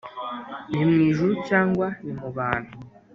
ni mu ijuru cyangwa ni mu bantu?